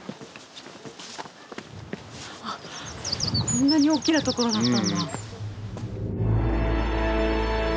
こんなにおっきな所だったんだ。